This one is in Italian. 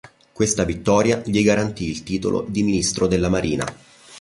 Questa vittoria gli garantì il titolo di ministro della Marina.